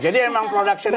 jadi emang productionnya